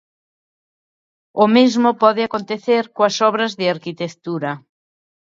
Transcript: O mesmo pode acontecer coas obras de arquitectura.